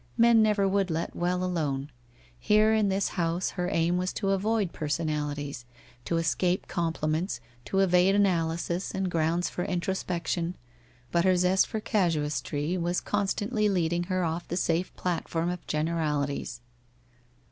Men never would let well alone. Here in this house her aim was to avoid person alities, to escape compliments, to evade analysis, and grounds for introspection, but her zest for casuistry was constantly leading her off the safe platform of generalities.